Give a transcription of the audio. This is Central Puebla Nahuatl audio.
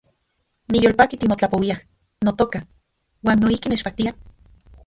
Niyolpaki timotlapouiaj, notoka , uan noijki nechpaktia